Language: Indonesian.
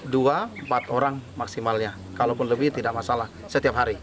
dua empat orang maksimalnya kalaupun lebih tidak masalah setiap hari